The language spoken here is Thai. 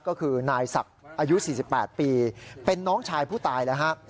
ก็คือนายศักดิ์อายุ๔๘ปีเป็นน้องชายผู้ตายแล้วฮะ